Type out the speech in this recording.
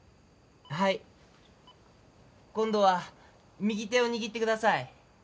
今度は右手を握ってください。